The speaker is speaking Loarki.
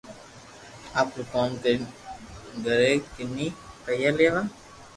آپرو ڪوم ڪرين گراڪني پيئا ليوا